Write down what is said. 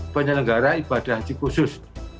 bancar negara ibadah haji khusus